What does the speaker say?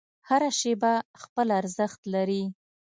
هره شیبه خپل ارزښت لري.